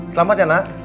selamat ya nak